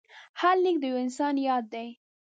هر لیک د یو انسان یاد دی.